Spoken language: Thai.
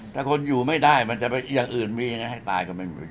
ถ้าคนอยู่ไม่ได้มันจะเป็นอย่างอื่นมีอย่างนั้นให้ตายก็ไม่มีประโยชน์